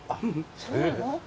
そうなの？